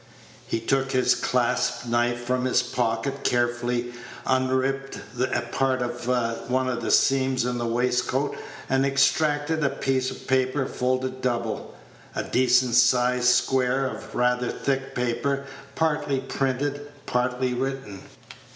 He took his clasp knife from his pocket, carefully unripped a part of one of the seams in the waistcoat, and extracted a piece of paper folded double a decent sized square of rather thick paper, partly printed, partly written.